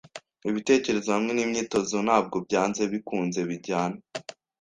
Ibitekerezo hamwe nimyitozo ntabwo byanze bikunze bijyana.